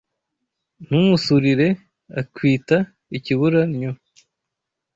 ntumusurire akwita ikibura nnyo